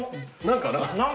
何かな。